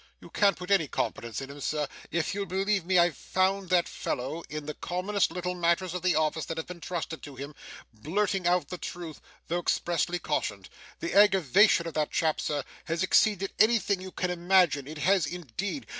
You can't put any confidence in him, sir. If you'll believe me I've found that fellow, in the commonest little matters of the office that have been trusted to him, blurting out the truth, though expressly cautioned. The aggravation of that chap sir, has exceeded anything you can imagine, it has indeed.